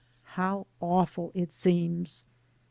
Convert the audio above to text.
How awful it seems.